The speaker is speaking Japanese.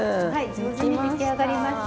上手に出来上がりました。